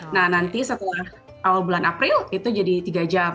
nah nanti setelah awal bulan april itu jadi tiga jam